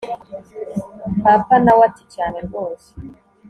papa nawe ati cyane rwose